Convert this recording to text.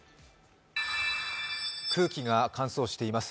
空気が乾燥しています。